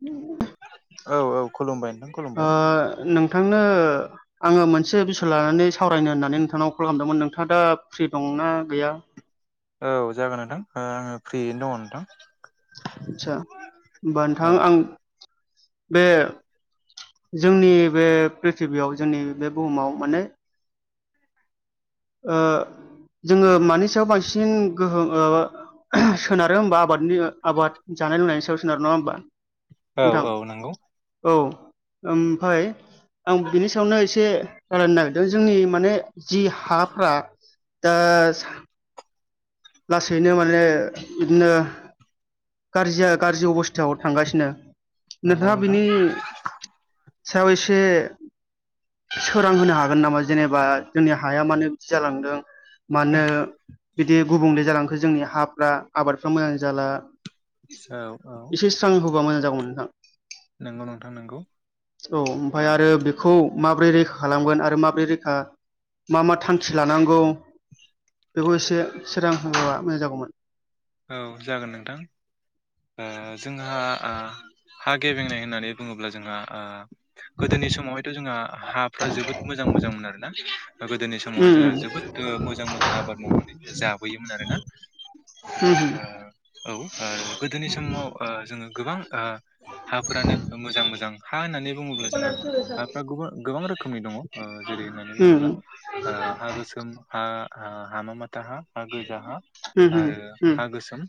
[unintelligible] औ औ खुलुमबाय नोंथां खुलुमबाय नोंथांनो आङो मोनसे बिसोर लानानै सावरायनो होननानै नोंथांनाव कल खालामदोंमोन नोंथाङा दा फ्रि दं ना गैया औ जागोन नोंथां आङो फ्रियैनो दङ नोंथां आदसा होमबा नोंथां आं बे जोंनि बे प्रिथ्बियाव जोंनि बे बुहुमाव माने जोङो मानि सायाव बांसिन गोहोम सोनारो होमबा आबादनि आबाद जानाय लोंनायनि सायाव सोनारो नङा होमबा औ नोंथां औ नंगौ औ ओमफाय आं बिनि सायावनो एसे रालायनो नागिरदों जोंनि माने जि हा [unintelligible] लासैनो माने बिदिनो गाज्रिया गाज्रि अबस्थायाव थांगासिनो नंगौ नोंथाङा नोंथां बिनि सायाव इसे सोरां होनो हागोन नामा जेनेबा जोंनि हाया मानो बिदि जालांदों मानो बिदि गुबुंले जालांखो जोंनि हाफ्रा आबादफ्रा मोजां जाला औ औ टाउनावनो थां नंगौ नोंथां नंगौ ओमफ्राय आ आरो बेखौ माबोरै रैखा खालामगोन आरो माबोरै रैखा मा मा थांखि लानांगौ बेखौ इसे सोरां होगौबा मोजां जागौमोन औ जागोन नोंथां ओ जोंहा आ हा गेबेंनाय होननानै बुङो- ब्ला जोंहा ओ गोदोनि समावहायथ' जोंहा हाफ्रा जोबोद मोजां मोजांमोन आरोना गोदोनि समावहाय जोङो उम जोबोद ओ मोजां मोजां आबाद मावनानै जाबोयोमोन आरोना उम औ ओ गोदोनि समाव ओ जोङो गोबांथा हाफोरानो मोजां मोजां हा होननानै बुङोब्ला जोंहा हाफ्रा गोबां रोखोमनि दङ जेरै होननानै उम बुङोब्ला हा गोसोम हा हामा माथ थाहा हा गोजाहा उम उम आरो उम हा ओ गोसोम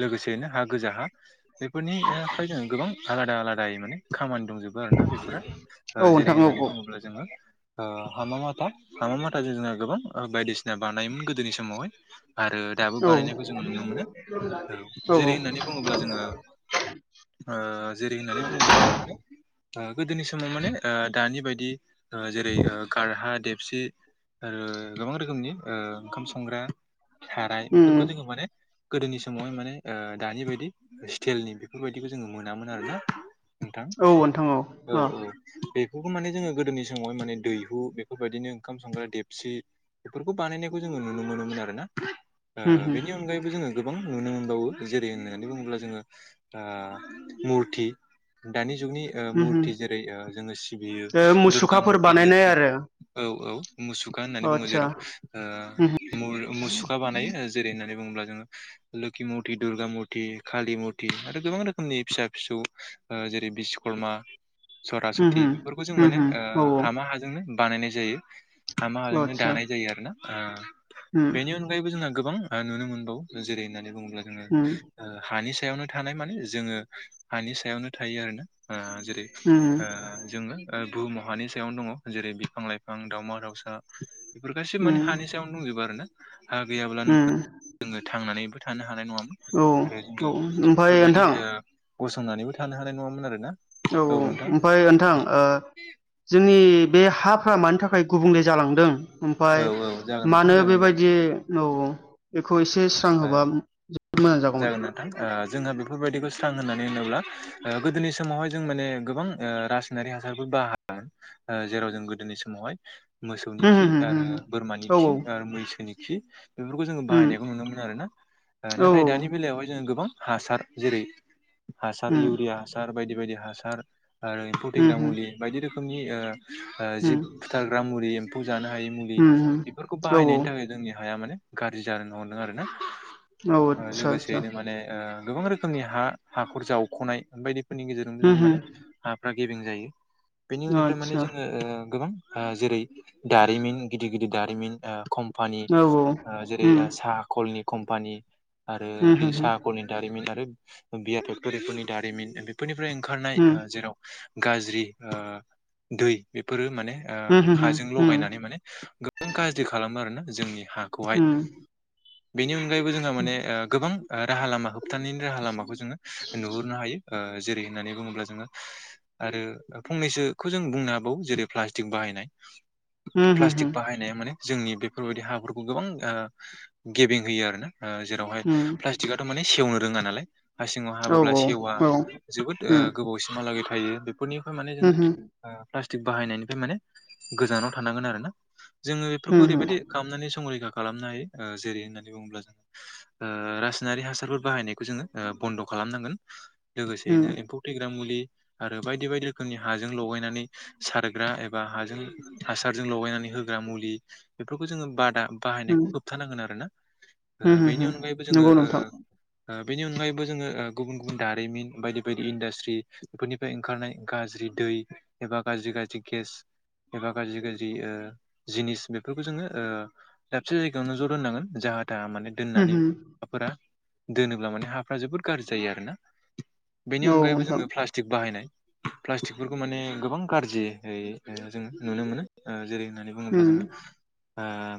लोगोसेयैनो हा गोजा हा बेफोरनिओफ्रायनो गोबां आलादा आलादायैबो खामानि दंजोबो आरो ना बेफोरना ओ औ जेरै नोंथां औ होननानै औ बुङोब्ला जोङो ओ हामा माथा हामा माथाजों जोंना गोबां बायदिसिना बानायोमोन गोदोनि समावहाय आरो दाबो औ बानायनायखौ जोङो नुनो मोनो औ जेरै होननानै बुङोब्ला जोङो ओ जेरै होननानै बुङोब्ला जोङो माने ओ‌ गोदोनि समाव माने ओ दानि बायदि ओ जेरै ओ गारहा देब सि आरो गोबां रोखोमनि ओ ओंखाम संग्रा साराय बेफोर उम गोदोंआव माने गोदोनि समावहाय माने ओ दानि बायदि स्टिलनि बेफोरबायदिखौ जोङो मोनामोन आरो ना नोंथां औ नोंथां औ अ औ बे बेफोरखौ माने जोङो गोदोनि समावहाय माने दैहु बेफोरबायदिनो ओंखाम संग्रा देबसि बेफोरखौ बानायनायखौ जों नुनो मोनोमोन आरोना ओ उम उम बेनि अनगायैबो जोङो गोबां नुनो मोनबावो जेरै होननानै बुङोब्ला जोङो ओ मुरथि दानि जुनि ओ उम मुरथि जेरै ओ जोङो सिबियो ओ दुर्गा मुसुखाफोर मुरथि बानायनाय लोखि आरो औ औ मुसुखा होननानै बुङो आदसा जेराव उम ओ मुसुखा बानायो जेरै होननानै बुङोब्ला जोङो लोखि मुरथि दुर्गा मुुरथि कालि मुथि आरो गोबां रोखोमनि फिसा फिसौ ओ जेरै बिशवकर्मा उम सरासथि बेफोरखौ जों माने उम ओ होम उम होम औ हामा हाजोंनो बानायनाय जायो हामा औ हाजोंनो आदसा दानाय जायो आरो ना ओ उम बेनि अनगायैबो जोंना गोबां ओ नुनो मोनबावो जेरै होननानै बुङोब्ला जोङो उम ओ हानि सायावनो थानाय माने जोङो हानि सायावनो थायो आरो ना ओ जेरै उम ओ जोङो ओ बुहुमाव हानि सायावनो दङ जेरै बिफां लाइफां दावमा दाउसा बेफोर गासै माने उम हानि सायावनो दंजोबो आरो ना हा गैया उम जोङो थांनानैबो थानो हानाय नङामोन औ आरो जोङो औ ओमफाय बेफोरबायदि नोंथां ओ गसंनानैबो थानो हानाय नङामोन आरो ना औ औ ओमफाय नोंथां ओ जोंनि बे हाफ्रा मानि थाखाय गुबुंले जालांदों ओमफाय औ औ जागोन नोंथां मानो जागोन जागोन बेबायदि औ औ एसे स्रां ओ होबा मोजां जागौमोन जागोन नोंथां ओ जोंहा बेफोरबायदिखौ थां होननानै होनोब्ला ओ गोदोनि समावहाय जों माने गोबां ओ रासायनारि हासारफोर बाहा ओ जेराव जों गोदोनि समावहाय मोसौनि उम खि उम आरो उम बोरमानि औ खि औ आरो मैसोनि खि बेफोरखौ जोङो उम बाहायनायखौ नुनो मोनो आरोना ओ औ नाथाय दानि बेलायावहाय जोङो गोबां हासार जेरै हासार उम इउरिया उम हासार बायदि बायदि हासार आरो एम्फौ थैग्रा उम मुलि बायदि रोखोमनि जिब उम फुथारग्रा मुलि एम्फौ जानो हायि मुलि उम बेफोरखौ उम औ बाहायनायनि थाखाय जोंनि हाया माने गाज्रि जानो हमदों आरोना औ आदसा आदसा लोगोसेयैनो माने गोबां रोखोमनि हा हाखर जावख'नाय बायदिफोरनि गेजेरजोंबो जों उम माने उम हा गेबें जायो बेनि उननिफ्राय माने आदसा जोङो गोबां जेरै दारिमिन गिदिर गिदिर दारिमिन कम्पानि औ औ जेरै उम सा कलनि कम्पानि आरो उम उम सा कलनि दारिमिन आरो बिया पक्तरिफोरनि दारिमिन बेफोरनिफ्राय ओंखारनाय उम जेराव गाज्रि दै बेफोरो माने उम उम हाजों लगायनानै माने गोबां गाज्रि खालामो आरो ना जोंनि हाखौहाय बेनि अनगायैबो जोंहा माने गोबां राहा लामा होबथानायनि राहा लामाखौ नुहरनो हायो जेरै होननानै बुङोब्ला जोङो आरो फंनैसोखौ जों बुंनो हाबावो जेरै प्लास्टिक बाहायनाय उम उम प्लास्टिक बाहायनाया माने जोंनि बेफोरबायदि हाफोरखौ गोबां ओ गेब्रें होयो आरोना जेरावहाय उम प्लास्टिकआथ' माने सेवनो रोङा नालाय हा सिङाव औ हाबोब्ला औ सेवा उम जोबोद उम गोबावसिमहालागै थायो फोरनिफ्राय माने उम जोङो प्लास्टिक बाहायनायनिफ्राय माने गोजानाव थानांगोन आरो ना जोङो बेफोरखौ ओरैबायदि खालामनानै संरैखा खालामनो हायो जेरै होननानै बुङोब्ला जोङो रासायनारि हासारफोर बाहायनायखौ जोङो बन्द' खालामनांगोन लोगोसेयैनो उम एम्फौ थैग्रा मुलि आरो बायदि बायदि रोखोमनि हाजों लगायनानै सारग्रा एबा हाजों हासारजों लगायनानै होग्रा मुलि बेफोरखौ जोङो बादा बाहायनायखौ उम हो आरोना ओ उम बेनि ओ उम अनगायैबो जोङो नंगौ नोंथां ओ बेनि अनगायैबो जोङो गुबुन गुबुन दारिमिन बायदि बायदि इन्डास्ट्रि बेफोरनिफ्राय ओंखारनाय गाज्रि दै एबा गाज्रि गाज्रि गेस एबा गाज्रि गाज्रि जिनिस बेफोरखौ जोङो दाबसे जायगायाव जायगायावनो ज' दोननांगोन जाहा थाहा माने उम दोननानै उम हाफोरा दोनोब्ला माने हाफ्रा जोबोद गाज्रि जायो आरोना बेनि औ अनगायैबो नोंथां जोङो प्लास्टिक बाहायनाय प्लास्टिकफोरखौ माने गोबां गाज्रि जों नुनो मोनो जेरै होननानै बुङोब्ला उम जोङो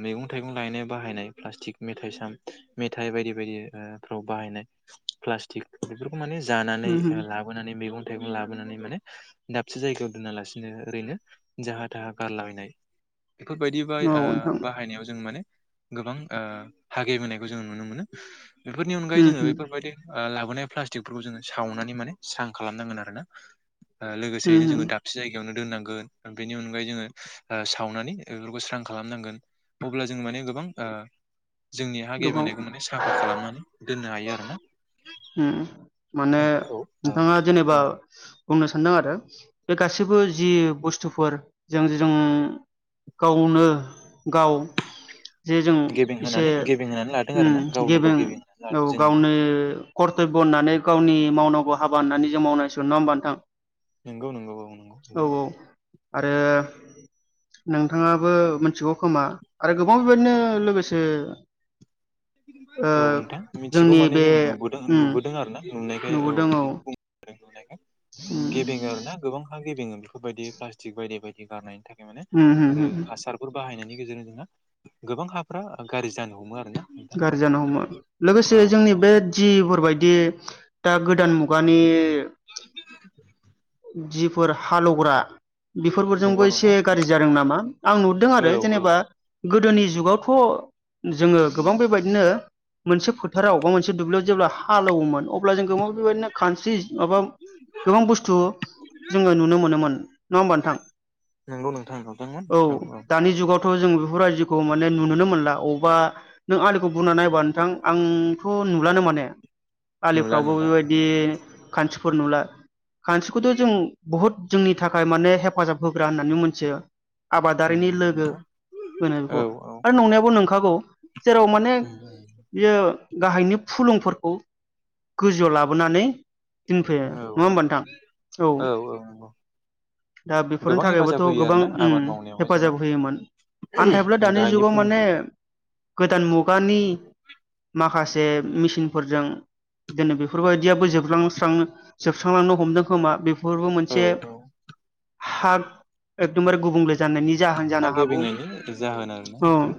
मैगं थाइगं गायनो बाहायनाय प्लास्तिक मेथाइ मेथाइ बायदि बायदिफोराव बाहायनाय प्लास्तिक बेफोर माने जानानै उम लाबोनानै मैगं थाइगं लाबोनानै माने दाबसे जायगायाव दोना लासिनो ओरैनो जाहा थाहा गारलाबायनाय बेफोरबायदि बा उम औ नोंथां बाहायनायाव जों माने गोबां हा गेब्रेंनायखौ जो नुनो मोनो बेफोरनि अनगायै उम जोङो उम बेफोरबायदि लाबोनाय प्लास्टिकफोरखौ जोङो सावनानै माने स्रां खालामनांगोन आरो ना लोगोसेयैनो उम उम जोङो दाबसे जायगायावनो दोन्नांगोन बेनि अनगायै जोङो सावनानै बेफोरखौ स्रां खालामनांगोन अब्ला जों माने गोबां ओ जोंनि हा गोबां गेब्रेंनायखौ माने साफा खालामनानै दोननो हायो आरो ना उम माने नोंथाङा जेनेबा औ बुंनो सानदों आरो बे गासैबो जि बुस्थुफोर जों जों गावनो गाव जे जों गेबें एसे होनानै गेबें होनानै लादों आरोना गावनो गाव गेबें होनानै औ लादों जोंनो गावनो कर्तब्य होननानै गावनि मावनांगौ हाबा होननानै जों मावनांसिगोन नङा होमबा नोंथां नंगौ नंगौ औ नंगौ नोंथां आरो [inaudible] [unintelligible] नोंथाङाबो मिथिगौ खोमा आरो गोबां बेबायदिनो लोगोसे ओ औ नोंथां मिथिगौ जोंनि माने बे जों नुबोदों उम नुबोदों आरो ना नुनायखाय औ बिदि बुं उम गेबेंङो आरो ना गोबांहा गेबेंङो बेफोरबायदि प्लास्टिक बायदि बायदि गारनायनि थाखाय नो उम उम आरो उम हासारफोर बाहायनायनि गेजेरजों जोंहा गोबां हाफ्रा गारजि जानो हमो आरो ना गारजि जानो हमो नोंथां लोगोसे औ जोंनि बे जिफोरबायदि दा गोदान मुगानि बे जिफोर हालौग्रा बेफोरफोरजोंबो नंगौ एसे नोंथां नंगौ नोंथां गारजि जादों नामा आं नुदों आरो औ औ जेनेबा गोदोनि जुगावथ' जोंङो गोबां बेबायदिनो मोनसे फोथाराव बा मोनसे दुब्लियाव जेब्ला हालौवोमोन अब्ला जों गोमाव बेबायदिनो खानस्रि माबा गोबां बुस्थु जोंङो नुनो मोनोमोन नंङा होमबा नोंथां? नंगौ नोंथां नोंथांमोन औ दानि जुगाव थ' जों बेफोर बायदिखौ माने नुनोनो मोनला अबावबा नों आलिखौ बुरना नायबा होनबा नोंथां आंथ' नुलानो माने नुला आलिफ्रावबो नुला बेबायदि नुला खानस्रि फोर नुला खानस्रिखौथ' जों बुहुद जोंनि थाखाय माने हेफाजाब होग्रा होननानै मोनथियो आबादारिनि उम लोगो नंगौ होनो औ बेखौ आरो नंनायाबो नंखागौ जेराव माने बियो गाहायनि फुलुंफोरखौ गोजौआव लाबोनानै दोनफैयो नंङा औ होमबा नोंथां? औ औ। दा बेफोरनि गोबां थाखायबोथ' हेफाजाब होयो आरो गोबां ना उम आबाद मावनायावहाय जोंहा हेफाजाब होयोमोन। आनथाइब्ला दानि गाहायनि जुगाव माने फुलुंफोरखौ गोदान मुगानि माखासे बे मेसिनफोरजों दिनै बेफोरबायदियाबो जोबलांस्रांनो जोबस्रांलांनो हमदों। खोमा बेफोरबो औ मोनसे औ हाख एकदमबारे गुबुंले जानायनि जाहोन हा जानो हागौ गेबेंनायनि जाहोन आरोना औ बेफोरो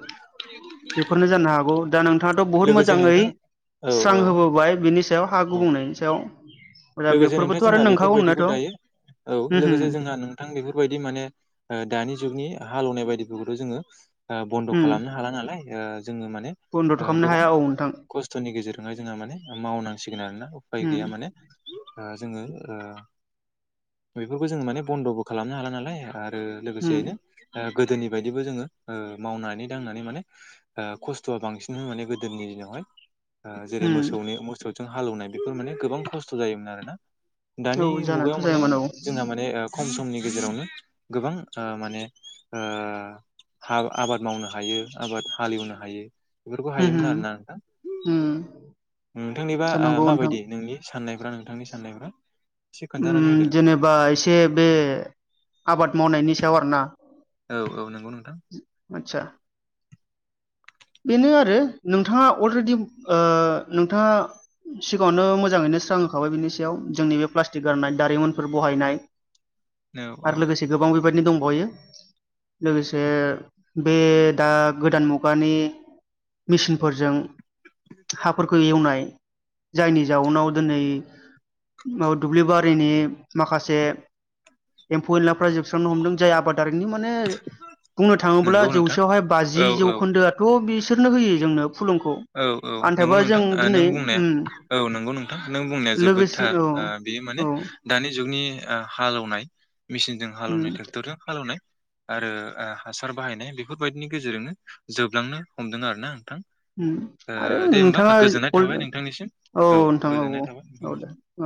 बेफोरनो जानो हागौ दा नों नोंथांङाथ' बुहुद लोगोसे मोजांङै नोंथां औ स्रां औ होबोबाय बिनि सायाव हा औ गुबुंनायनि सायाव ओजा लोगोसे नोंथां बेफोरबोथ' आरो जोंहा नों बेफोरबायदिखौ दायो औ लोगोसे जोंहा नोंथां बेफोरबायदि माने ओ दानि जुगनि हालौवनाय बेबाइदिखौबोथ' जोंङो ओ बन्द उम खालामनो हाला नालाइ ओ जोङो माने बन्दथ' ओ खालामनो गोबां हाया औ नोंथां। खस्थ'नि गेजेरजोंहाय जोंहा माने मावनांसिगोन आरोना उफाय उम गैया माने आ जोंङो ओ बेफोरखौ जोंङो माने बन्द'बो खालामनो हाला नालाय ओ उम लोगोसेयैनो ओ गोदोनि बायदिबो जोंङो ओ मावनानै दांनानै माने ओ खस्थ'आ बांसिनमोन माने गोदोनि दिनावहाय ओ जेरै उम मोसौनि मोसौजों हालौवनाय बेफोर माने गोबां खस्थ' जायोमोन आरो ना। औ दानि जानाथ' मुगायाव माने जायामोन औ जोंना माने ओ खम समनि गेजेरावनो गोबां ओ माने ओ हा आबाद मावनो हायो आबाद हालेवनो हायो। बेफोरखौ उम हायोमोन उम आरोना नोंथां उम नोंथांनिबा आ जानांगौ नोंथां माबायदि नोंनि साननायफ्रा नोंथांनि साननायफ्रा एसे उम खोन्थानानै उम होदो नोंथाङा जेनेबा एसे बे आबाद मावनायनि सायाव आरोना। औ औ नों आतसा बेनो आरो नोंथांङा अलरेडि ओ नोंथांङा सिगांङावनो मोजांङैनो स्रां होखाबाय बिनि सायाव जोंनि बे प्लास्टिक गारनाय दारिमनफोर बहायनाय। औ आरो औ लोगोसे गोबां बे बेबायदिनो दंबावयो लोगोसे बे दा गोदान मुगानि मिसिनफोरजों हाफोरखौ एवनाय जायनि जाउनाव दोनै माव दुब्लि बारिनि माखासे एम्फौ एनला फो फ्रा जोबस्रांनो हमदों जाय आबादारिनि माने बुंनो थांङोब्ला नंगौ नोंथां जौसेयावहाय बाजि औ औ जौखोन्दोआ [unintelligible] होयो जोंनो औ औ आन्थाइबा नंगौ जों नोंथां ओ दिनै नों बुंनाया उम औ नंगौ नोंथां नों बुंनाया लोगोसे जोबोदथार औ ओ बेयो माने औ दानि जुगनि ओ हालेवनाय मेसिनजों उम हालेवनाय ट्रेक्टरजों हालेवनाय। आरो ओ हासार बाहायनाय बेफोरबायदिनि गेजेरजोंनो जोबलांनो हमदों आरो ना नोंथां। उम ओ आरो दे होमबा नोंथाङा गोजोननाय औ थाबाय नोंथांनिसिम औ नोंथां गोजोननाय औ औ दे थाबाय। औ